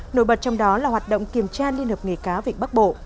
nổi bật trong đó là hoạt động kiểm tra liên hợp nghề cáo vịnh bắc bộ